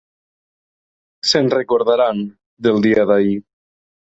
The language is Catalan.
Se'n recordaran, del dia d'ahir.